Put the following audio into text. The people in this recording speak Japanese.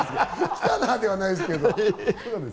来たなではないですけど。